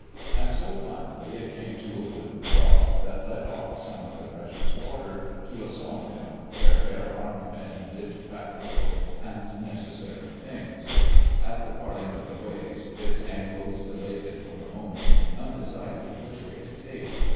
And so, finally, it came to a wooden trough that led off some of the precious water to a sawmill where bare armed men did practical and necessary things. At the parting of the ways its angles delayed it for a moment, undecided which way to take.